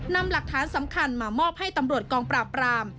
นำหลักฐานสำคัญมามอบให้ตำรวจกองปราบราม